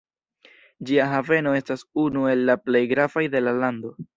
Ĝia haveno estas unu el la plej gravaj de la lando.